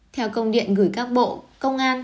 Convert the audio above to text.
theo công điện gửi các bộ công an